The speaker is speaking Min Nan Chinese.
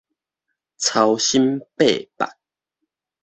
操心擘腹